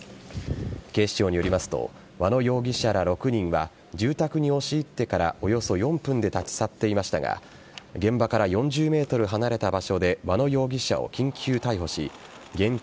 警視庁によりますと和野容疑者ら６人は住宅に押し入ってからおよそ４分で立ち去っていましたが現場から４０ｍ離れた場所で和野容疑者を緊急逮捕し現金